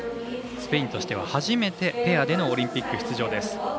スペインとしては初めてペアでのオリンピック出場です。